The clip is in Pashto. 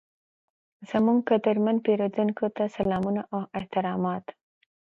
زموږ قدرمن پیرودونکي ته سلامونه او احترامات،